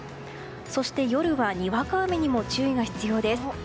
そして夜はにわか雨にも注意が必要です。